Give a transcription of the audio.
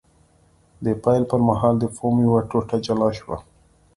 د پیل پر مهال د فوم یوه ټوټه جلا شوه.